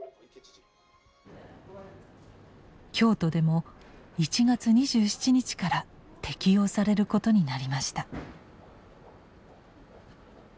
京都でも１月２７日から適用されることになりました。